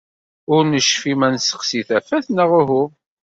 Ur necfi ma nessexsi tafat neɣ uhu.